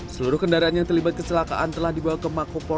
seluruh kendaraan yang terlibat keselakaan telah dibawa ke makopo